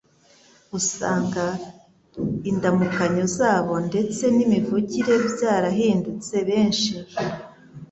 usanga indamukanyo zabo ndetse n'imivugire byarahindutse benshi